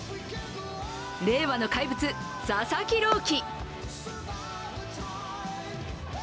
令和の怪物、佐々木朗希。